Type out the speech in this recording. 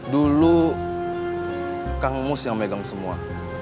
dulu kang mus yang megang semua